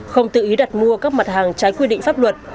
không tự ý đặt mua các mặt hàng trái quy định pháp luật